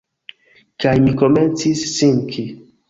Kaj mi komencis sinki.